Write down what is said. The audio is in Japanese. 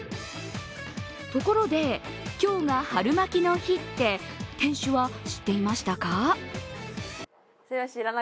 ところで、今日が春巻きの日って店主は知っていましたか？